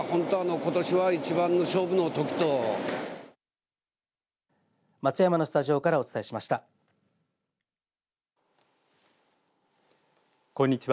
こんにちは。